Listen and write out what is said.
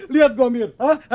lihat gua mir